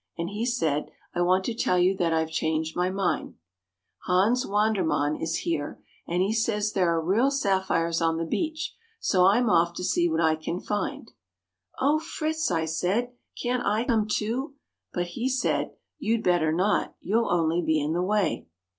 and he said, "I want to tell you that I've changed my mind. Hans Wandermann is here, and he says there are real sapphires on the beach; so I'm off to see what I can find." "Oh, Fritz!" I said, "can't I come too?" but he said, "You'd better not, you'll only be in the way.